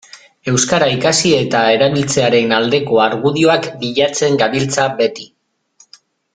Euskara ikasi eta erabiltzearen aldeko argudioak bilatzen gabiltza beti.